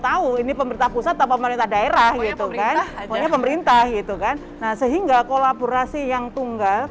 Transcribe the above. tahu ini pemerintah pusat atau pemerintah daerah gitu kan pokoknya pemerintah gitu kan nah sehingga